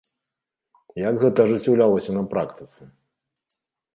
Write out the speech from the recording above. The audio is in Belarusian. Як гэта ажыццяўлялася на практыцы?